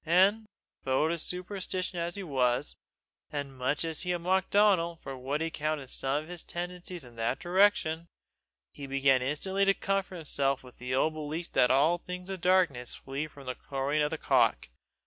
and, foe to superstition as he was, and much as he had mocked at Donal for what he counted some of his tendencies in that direction, he began instantly to comfort himself with the old belief that all things of the darkness flee from the crowing of the cock.